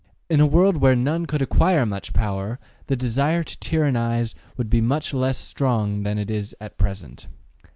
In a world where none could acquire much power, the desire to tyrannize would be much less strong than it is at present.